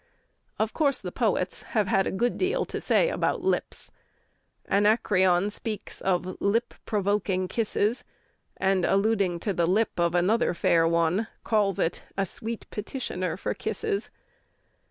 Of course the poets have had a good deal to say about lips. Anacreon speaks of "lip provoking kisses," and, alluding to the lip of another fair one, calls it a "sweet petitioner for kisses."